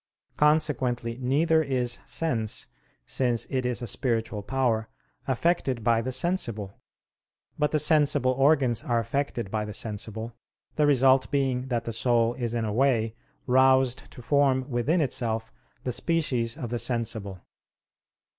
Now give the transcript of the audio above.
Consequently neither is sense, since it is a spiritual power, affected by the sensible: but the sensible organs are affected by the sensible, the result being that the soul is in a way roused to form within itself the species of the sensible.